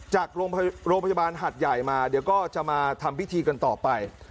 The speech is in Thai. จากโรงพยาบาลหัดใหญ่มาเดี๋ยวก็จะมาทำพิธีกันต่อไป